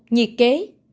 một nhiệt kế